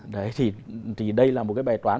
đấy thì đây là một cái bài toán